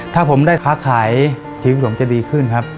ถ้าผมได้ค้าขายชีวิตผมจะดีขึ้นครับ